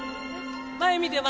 前見て前。